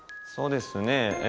そうですね